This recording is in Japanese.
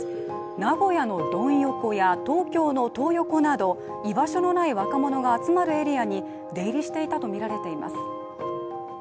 名古屋のドン横や東京のトー横など居場所のない若者が集まるエリアに出入りしていたとみられています。